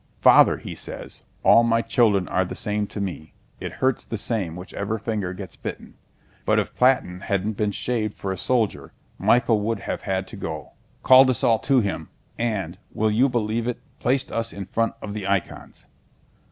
Father, he says, 'All my children are the same to me: it hurts the same whichever finger gets bitten. But if Platón hadn't been shaved for a soldier, Michael would have had to go.' called us all to him and, will you believe it, placed us in front of the icons.